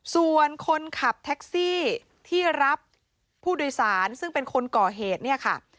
ส่วนคนขับแท็กซี่ที่รับผู้โดยสารซึ่งเป็นคนก่อเหตุเนี่ยค่ะ